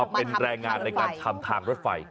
เป็นแรงงานในการทำทางรถไฟ